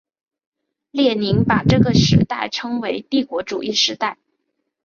列宁把这个时代称为帝国主义时代。